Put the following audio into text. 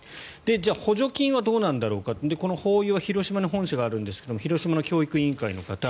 じゃあ補助金はどうなんだろうかホーユーは広島に本社があるんですが広島の教育委員会の方。